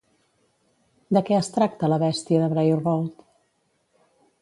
De què es tracta la Bèstia de Bray Road?